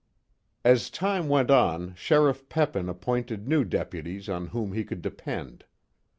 As time went on, Sheriff Peppin appointed new deputies on whom he could depend.